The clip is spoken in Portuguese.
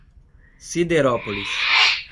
Siderópolis